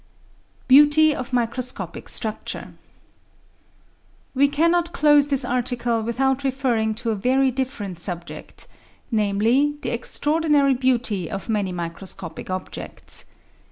Beauty of Microscopic Structure We cannot close this article without referring to a very different subject — ^namely, the extraordinary beauty of many microscopic objects.